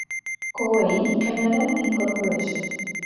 Koei Canada, Inc.